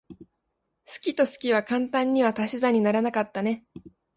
好きと好きは簡単には足し算にはならなかったね。